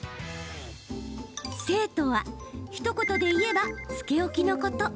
静とは、ひと言でいえばつけ置きのこと。